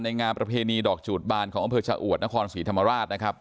งามประเพณีดอกจูดบานของอำเภอชะอวดนครศรีธรรมราชนะครับ